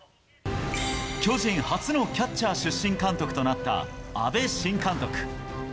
巨人初のキャッチャー出身監督となった阿部新監督。